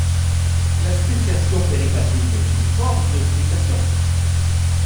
La spéciation péripatrique est une forme de spéciation.